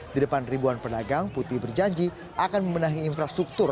di depan ribuan pedagang putih berjanji akan membenahi infrastruktur